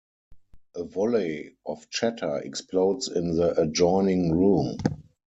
A volley of chatter explodes in the adjoining room.